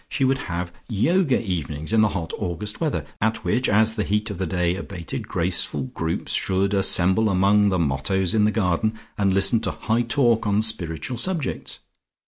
She would have Yoga evenings in the hot August weather, at which, as the heat of the day abated, graceful groups should assemble among the mottos in the garden and listen to high talk on spiritual subjects.